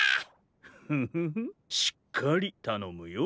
フフフしっかりたのむよ。